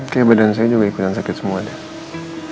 kayaknya badan saya juga ikutan sakit semua deh